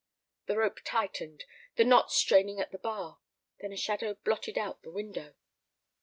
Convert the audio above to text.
The rope tightened, the knot straining at the bar. Then a shadow blotted out the window.